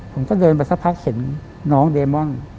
ผมก็เดินไปสักพักเห็นน้องเดมอน